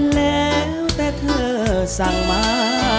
แล้วแต่เธอสั่งมา